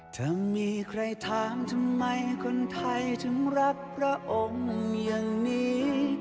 จะมีใครถามทำไมคนไทยถึงรักพระองค์อย่างนี้